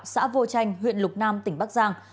xã vô chanh huyện lục nam tỉnh bắc giang